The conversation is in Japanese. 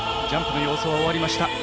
ジャンプの要素は終わりました。